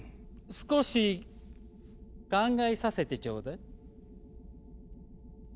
少し考えさせてちょうだい。